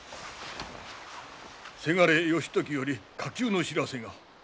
せがれ義時より火急の知らせが。